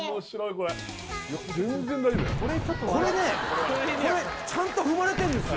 これねこれちゃんと踏まれてるんですよ